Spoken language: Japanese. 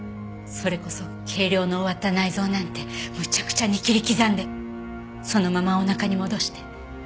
それこそ計量の終わった内臓なんてむちゃくちゃに切り刻んでそのままお腹に戻して。